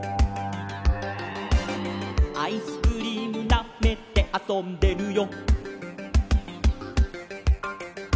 「アイスクリームなめてあそんでるよ」